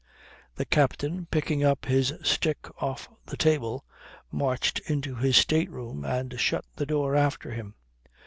The captain, picking up his stick off the table, marched into his state room and shut the door after him.